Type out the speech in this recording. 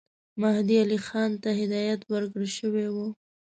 مهدي علي خان ته هدایت ورکړه شوی وو.